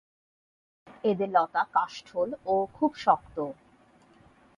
এদের লতা কাষ্ঠল ও খুব শক্ত।